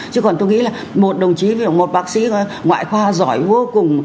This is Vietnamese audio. chứ còn tôi nghĩ là một đồng chí một bác sĩ ngoại khoa giỏi vô cùng